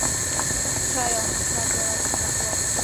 چای او موسکا، دواړه روح ته قوت ورکوي.